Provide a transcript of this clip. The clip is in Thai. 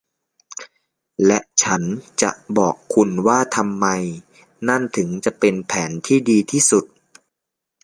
และฉันจะบอกคุณว่าทำไมนั่นถึงจะเป็นแผนที่ดีที่สุด